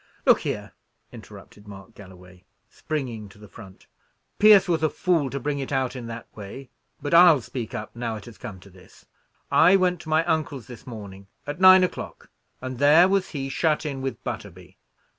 "Look here," interrupted Mark Galloway, springing to the front: "Pierce was a fool to bring it out in that way, but I'll speak up now it has come to this. I went into my uncle's, this morning, at nine o'clock, and there was he, shut in with Butterby.